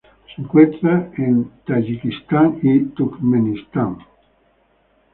Se encuentra en Tayikistán y Turkmenistán.